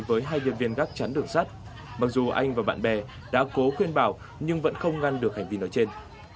với hai nhân viên gắt chắn đường sắt mặc dù anh và bạn bè đã cố khuyên bảo nhưng vẫn không ngăn được hành vi nói trên